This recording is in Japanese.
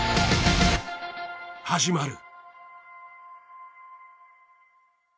始まる。